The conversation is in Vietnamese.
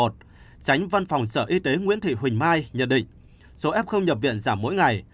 tránh văn phòng sở y tế nguyễn thị huỳnh mai nhận định số f nhập viện giảm mỗi ngày